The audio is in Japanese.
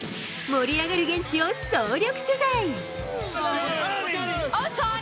盛り上がる現地を総力取材。